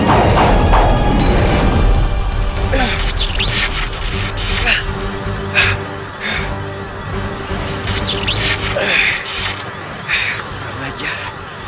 aku tak belajar